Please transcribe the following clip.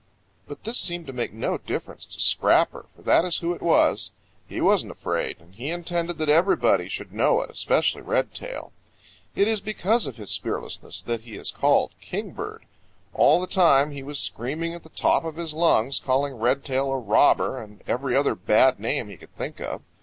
But this seemed to make no difference to Scrapper, for that is who it was. He wasn't afraid, and he intended that everybody should know it, especially Redtail. It is because of his fearlessness that he is called Kingbird. All the time he was screaming at the top of his lungs, calling Redtail a robber and every other bad name he could think of.